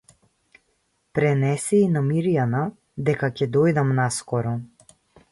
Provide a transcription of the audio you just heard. Пренеси и на Мирјана дека ќе дојдам наскоро.